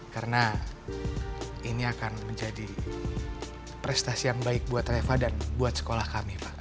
karena ini akan menjadi prestasi yang baik buat reva dan buat sekolah kami pak